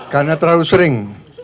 karena terlalu sering